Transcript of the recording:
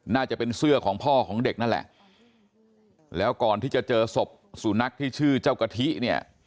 น่าจะเป็นเสื้อของพ่อของเด็กนั่นแหละแล้วก่อนที่จะเจอศพสุนัขที่ชื่อเจ้ากะทิเนี่ย